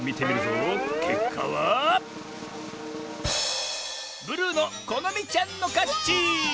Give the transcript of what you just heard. けっかはブルーのこのみちゃんのかち！